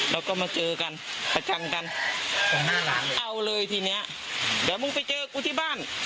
เราก็มาเจอกันมาจังกันเอาเลยทีเนี้ยเดี๋ยวมึงไปเจอกูที่บ้าน